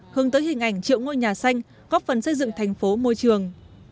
hướng tới hình ảnh triệu ngôi nhà xanh góp phần xây dựng thành phố môi trường